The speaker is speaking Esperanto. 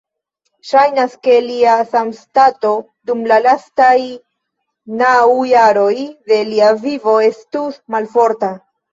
Ŝajnas, ke lia sanstato dum la lastaj naŭ jaroj de lia vivo estus malforta.